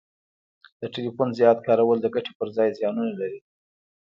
د ټلیفون زیات کارول د ګټي پر ځای زیانونه لري